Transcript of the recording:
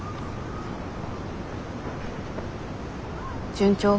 順調？